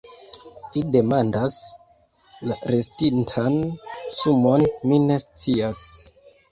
Vi demandas la restintan sumon, mi ne scias.